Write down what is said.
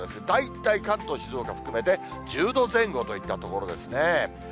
大体、関東、静岡含めて、１０度前後といったところですね。